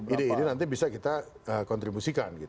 ide ide nanti bisa kita kontribusikan